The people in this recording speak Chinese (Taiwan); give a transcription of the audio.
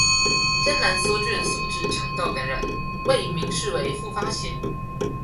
艱難梭菌所致腸道感染，未明示為復發型